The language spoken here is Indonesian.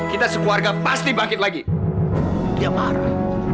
ini kita bawa ke dalam aja